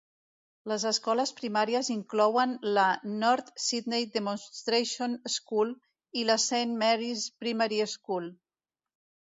Les escoles primàries inclouen la North Sydney Demonstration School i la Saint Marys Primary School.